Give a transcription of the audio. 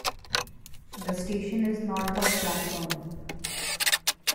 The station is north of Blackburn.